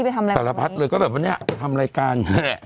ฮะตลอดพัดเลยก็แบบวันนี้อะทำรายการ